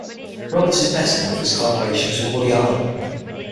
Roberts is best known for his collaborations with Woody Allen.